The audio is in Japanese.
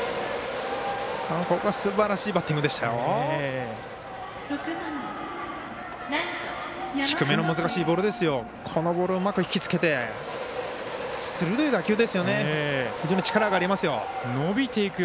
ここはすばらしいバッティングでしたよ。